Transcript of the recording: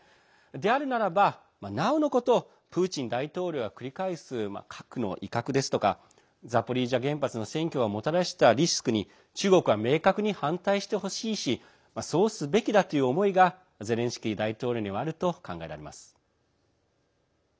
であるならば、なおのことプーチン大統領が繰り返す核の威嚇ですとかザポリージャ原発の占拠がもたらしたリスクに中国は明確に反対してほしいしそうすべきだという思いがゼレンスキー大統領にはあると考えられます。